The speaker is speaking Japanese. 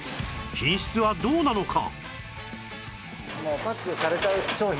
品質はどうなのか？